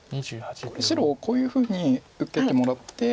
これ白をこういうふうに受けてもらって。